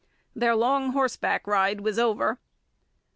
Their long horseback ride was over.